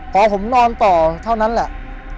พอผมนอนต่อเท่านั้นแหละ